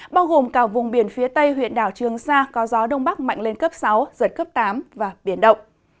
bao gồm cả vùng biển phía tây huyện đảo trường sa có gió đông bắc mạnh lên cấp sáu giật cấp tám và biển động